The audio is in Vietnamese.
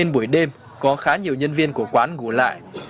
buổi đêm có khá nhiều nhân viên của quán ngủ lại